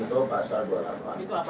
ini masalah ite